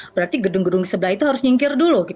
berarti gedung gedung sebelah itu harus nyingkir dulu